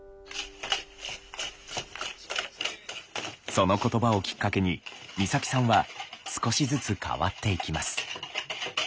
その言葉をきっかけに光沙季さんは少しずつ変わっていきます。